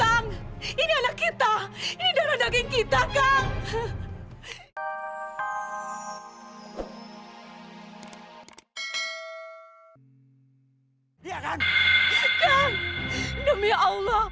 aku akan menghabisinya